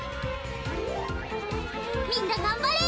みんながんばれ。